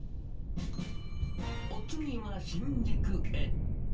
お次は新宿へ。